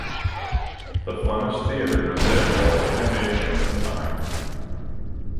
The Flemish theatre was therefore an innovation of its time.